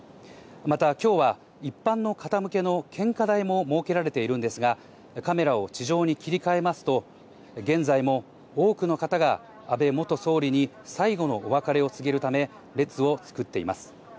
また今日は一般の方向けの献花台も設けられているんですが、カメラを地上に切り替えますと、現在も多くの方が安倍元総理に最後のお別れを告げるため、列を作っています。